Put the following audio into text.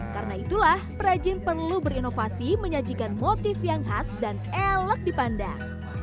karena itulah perajin perlu berinovasi menyajikan motif yang khas dan elek dipandang